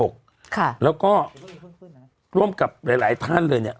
ค่ะแล้วก็ร่วมกับหลายท่านเลยเนี่ย